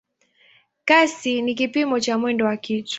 Kasi ni kipimo cha mwendo wa kitu.